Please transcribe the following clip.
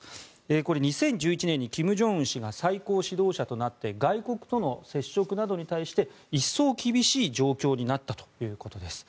これ、２０１１年に金正恩氏が最高指導者となって外国との接触などに対して一層厳しい状況になったということです。